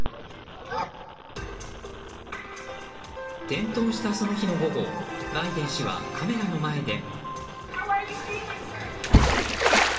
転倒したその日の午後バイデン氏は、カメラの前で。